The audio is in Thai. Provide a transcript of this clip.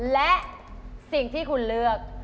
และสิ่งที่คุณเลือก